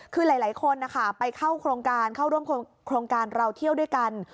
คือหลายคนนะคะไปเข้าโครงการเข้าร่วมโครงการเราเที่ยวด้วยกัน